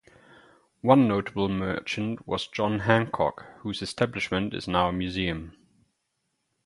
One notable merchant was John Hancock, whose establishment is now a museum.